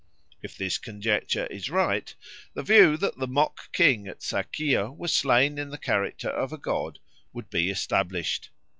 If this conjecture is right, the view that the mock king at the Sacaea was slain in the character of a god would be established.